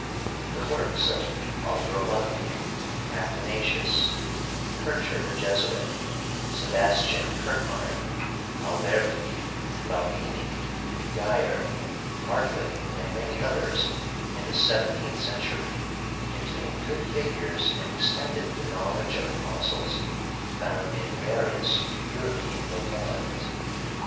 The works of Aldrovandi, Athanasius, Kircher the Jesuit, Sebastian Kirchmaier, Alberti, Balbini, Geyer, Hartley and many others in the seventeenth century contain good figures and extended the knowledge of the fossils found in various European localities.